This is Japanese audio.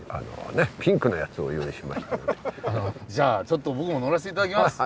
じゃあちょっと僕も乗らせて頂きます。